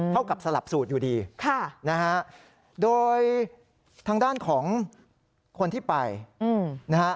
เท่ากับสลับสูตรอยู่ดีนะฮะโดยทางด้านของคนที่ไปนะฮะ